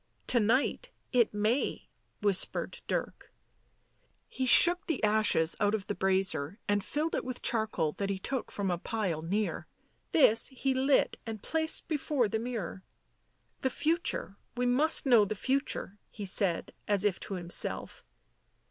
" To night it may," whispered Dirk. He shook the ashes out of the brazier and filled it with charcoal that he took from a pile near. This he lit and placed before the mirror. " The future — we must know the future," he said, as if to himself.